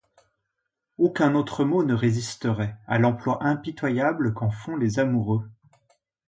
Aucun autre mot ne résisterait à l'emploi impitoyable qu'en font les amoureux.